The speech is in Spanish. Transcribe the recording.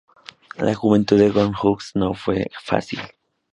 La juventud de Gong Sun-Ok no fue fácil.